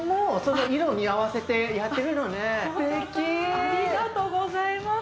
ありがとうございます。